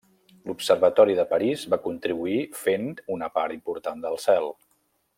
L'Observatori de París va contribuir fent una part important del cel.